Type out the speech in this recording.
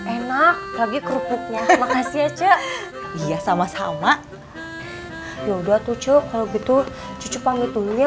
enak lagi kerupuknya makasih aja iya sama sama ya udah tuh cuk kalau gitu cucu pamit ujungnya